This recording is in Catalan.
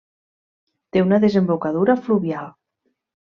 Té una desembocadura fluvial.